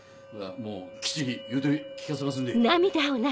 もうきっちり言うて聞かせますんで。